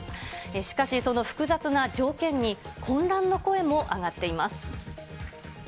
しかし、その複雑な条件に混乱の声も上がっています。